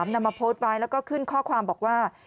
นำมาโพสต์ไว้แล้วก็ขึ้นข้อความบอกว่า